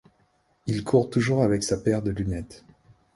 Il court toujours avec sa paire de lunettes.